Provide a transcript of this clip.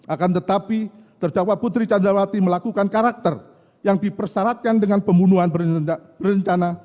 akan tetapi terdakwa putri candrawati melakukan karakter yang dipersyaratkan dengan pembunuhan berencana